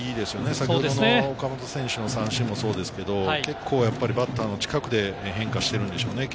先ほどの岡本選手の三振もそうですけれど、バッターの近くで変化してるんでしょうね。